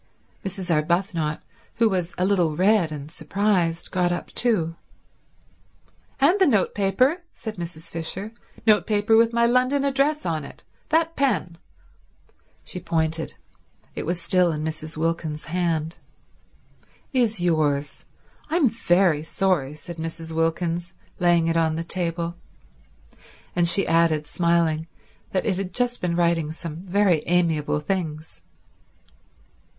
Mrs. Arbuthnot, who was a little red and surprised, got up too. "And the notepaper," said Mrs. Fisher. "Notepaper with my London address on it. That pen—" She pointed. It was still in Mrs. Wilkins's hand. "Is yours. I'm very sorry," said Mrs. Wilkins, laying it on the table. And she added smiling, that it had just been writing some very amiable things.